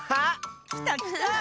きたきた！